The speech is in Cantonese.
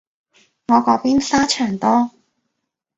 我嗰邊沙場多